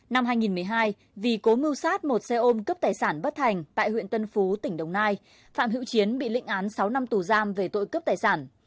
năm hai nghìn một mươi hai vì cố mưu sát một xe ôm cấp tài sản bất thành tại huyện tân phú tỉnh đồng nai phạm hữu chiến bị lịnh án sáu năm tù giam về tội cướp tài sản